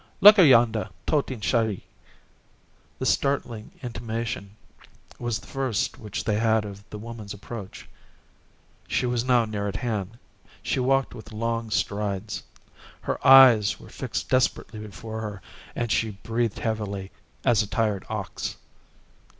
Look her yonda totin' Chéri!" This startling intimation was the first which they had of the woman's approach. She was now near at hand. She walked with long strides. Her eyes were fixed desperately before her, and she breathed heavily, as a tired ox.